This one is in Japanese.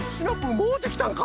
もうできたんか。